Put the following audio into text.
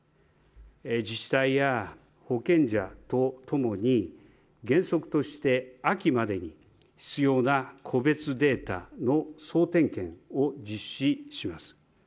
自治体や保険者とともに原則として秋までに必要な個別データの総点検を実施します。